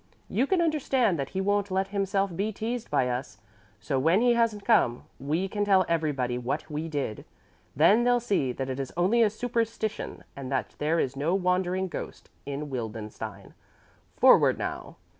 You can understand that he won't let himself be teased by us. So when he hasn't come, we can tell everybody what we did. Then they'll see that it is only a superstition and that there is no wandering ghost in Wildenstein. Forward now!"